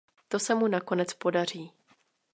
To se mu nakonec podaří.